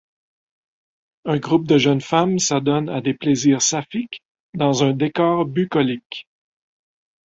Un groupe de jeunes femmes s'adonnent à des plaisirs saphiques dans un décor bucolique.